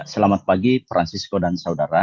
selamat pagi francisco dan saudara